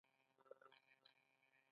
آیا او مانا نلري؟